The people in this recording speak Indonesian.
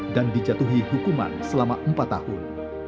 dan dijatuhi hukuman selama empat tahun